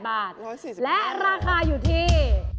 บาทและราคาอยู่ที่